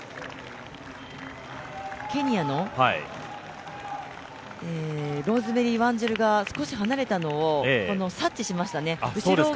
ケニアのローズメリー・ワンジルが少し離れたのをそれを察知しましたね